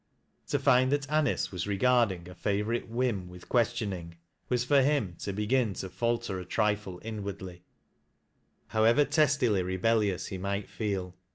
To find that AlIcc win regarding a favorite whim with questioning, was foi him to begin to falter a trifle inwardly, however testily rebellious he might feel.